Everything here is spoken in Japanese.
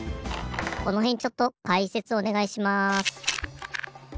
このへんちょっとかいせつおねがいします。